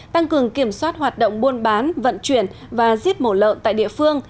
tăng cường kiểm soát hoạt động buôn bán vận chuyển và giết mổ lợn tại địa phương